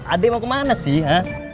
adek mau kemana sih